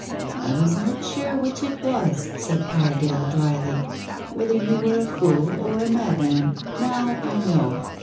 "I was not sure which it was," said Iredale dryly; "whether you were a fool or a madman. Now I know.